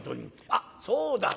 「あっそうだ。